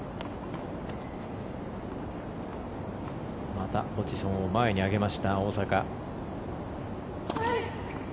またポジションを前に上げました大坂。